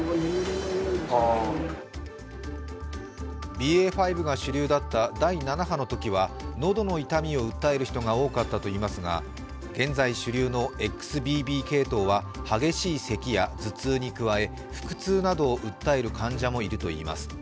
ＢＡ．５が主流だった第７波のときは喉の痛みを訴える人が多かったといいますが現在主流のＸＢＢ系統は激しいせきや頭痛に加え腹痛などを訴える患者もいるといいます。